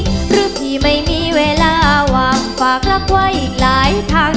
หรือพี่ไม่มีเวลาวางฝากรักไว้อีกหลายทาง